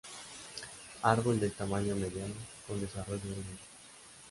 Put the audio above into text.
Árbol de tamaño mediano con desarrollo lento.